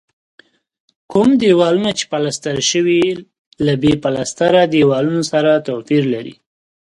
کوم دېوالونه چې پلستر شوي له بې پلستره دیوالونو سره توپیر لري.